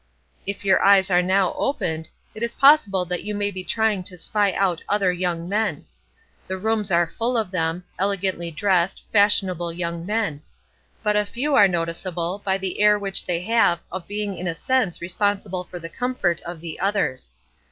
If your eyes are now opened, it is possible that you may be trying to spy out other young men. The rooms are full of them, elegantly dressed, fashionable young men; but a few are noticeable by the air which they have of being in a sense responsible for the comfort of the others.